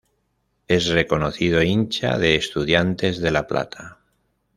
Es reconocido hincha de Estudiantes de La Plata.